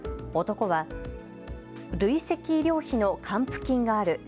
男は累積医療費の還付金がある。